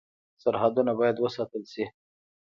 سرحدونه باید وساتل شي